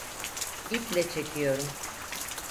İple çekiyorum.